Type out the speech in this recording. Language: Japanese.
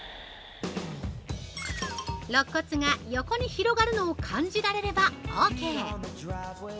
◆ろっ骨が横に広がるのを感じられればオーケー！